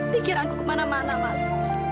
pikiranku kemana mana mas